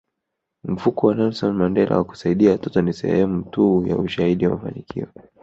Mfuko wa Nelson Mandela wa kusaidia watoto ni sehemu tu ya ushahidi wa mafanikio